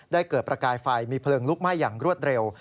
เกิดประกายไฟมีเพลิงลุกไหม้อย่างรวดเร็ว